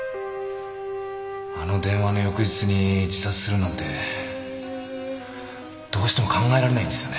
あの電話の翌日に自殺するなんてどうしても考えられないんですよね